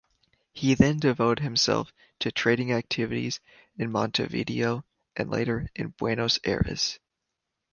He then devoted himself to trading activities in Montevideo and later in Buenos Aires.